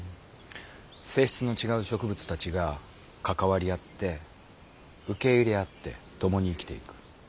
性質の違う植物たちが関わり合って受け入れ合って共に生きていく。